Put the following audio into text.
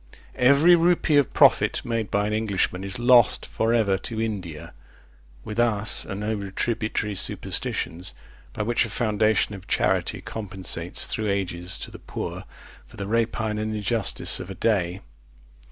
Every rupee of profit made by an Englishman is lost for ever to India. With us are no retributory superstitions, by which a foundation of charity compensates, through ages, to the poor, for the rapine and injustice of a day.